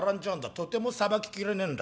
とてもさばき切れねえんだ。